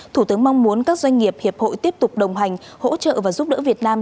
thủ tướng mong muốn các doanh nghiệp hiệp hội tiếp tục đồng hành hỗ trợ và giúp đỡ việt nam